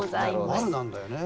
悪なんだよね。